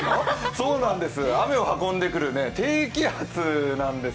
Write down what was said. そうなんです、雨を運んでくる低気圧なんです。